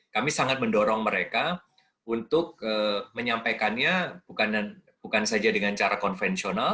kami sangat mendorong mereka untuk menyampaikannya bukan saja dengan cara konvensional